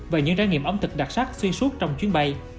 và những ráng nghiệp ống thực đặc sắc xuyên suốt trong chuyến bay